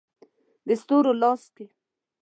د ستورو لاس کې